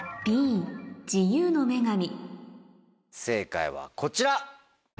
正解はこちら！